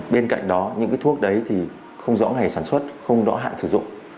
bên cạnh đó những thuốc đấy thì không rõ ngày sản xuất không rõ hạn sử dụng